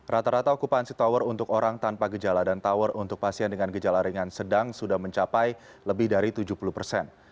rata rata okupansi tower untuk orang tanpa gejala dan tower untuk pasien dengan gejala ringan sedang sudah mencapai lebih dari tujuh puluh persen